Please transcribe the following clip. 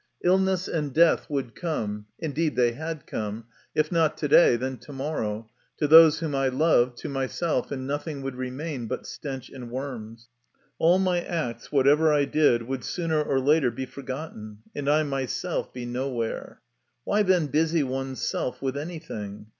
Illness and death would come (indeed they had come), if not to day, then to morrow, to those whom I loved, to myself, and nothing would remain but stench and worms. All my acts, whatever I did, would sooner or later be forgotten, and I myself be nowhere. Why, then, busy one's self with anything?